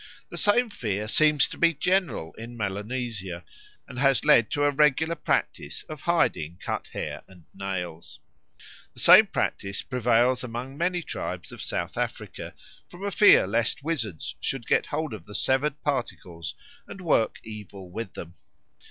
The same fear seems to be general in Melanesia, and has led to a regular practice of hiding cut hair and nails. The same practice prevails among many tribes of South Africa, from a fear lest wizards should get hold of the severed particles and work evil with them.